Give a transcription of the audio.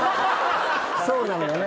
そうなのよね。